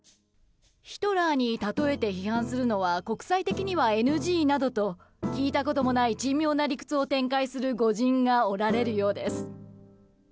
ヒトラーに例えて批判するのは国際的にはＮＧなどと聞いたこともない珍妙な理屈を展開する御仁がおられるようです。